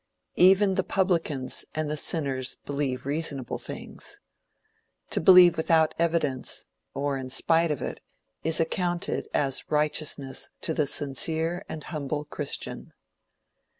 Even the publicans and sinners believe reasonable things. To believe without evidence, or in spite of it, is accounted as righteousness to the sincere and humble christian.